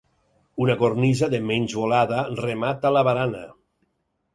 Una cornisa de menys volada remata la barana.